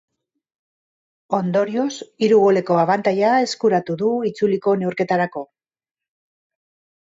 Ondorioz, hiru goleko abantaila eskuratu du itzuliko neurketarako.